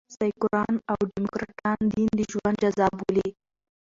سیکواران او ډيموکراټان دین د ژوند جزء بولي.